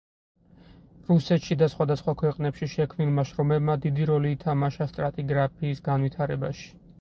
რუსეთში და სხვა ქვეყნებში შექმნილმა შრომებმა დიდი როლი ითამაშა სტრატიგრაფიის განვითარებაში.